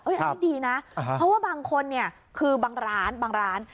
อุ๊ยอันนี้ดีนะเพราะว่าบางคนคือบางร้าน